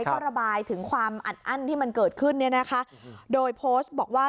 ก็ระบายถึงความอัดอั้นที่มันเกิดขึ้นเนี่ยนะคะโดยโพสต์บอกว่า